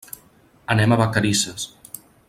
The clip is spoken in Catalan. Anem a Vacarisses.